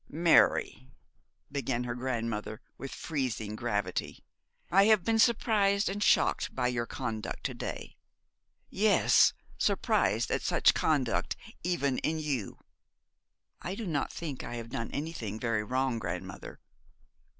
'Mary,' began her grandmother, with freezing gravity, 'I have been surprised and shocked by your conduct to day. Yes, surprised at such conduct even in you.' 'I do not think I have done anything very wrong, grandmother.'